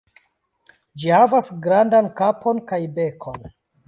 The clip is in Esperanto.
Ĝi havas grandan kapon kaj bekon.